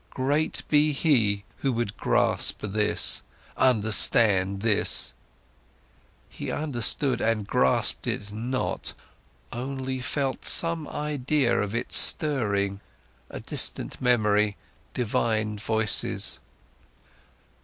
Great be he who would grasp this, understand this! He understood and grasped it not, only felt some idea of it stirring, a distant memory, divine voices.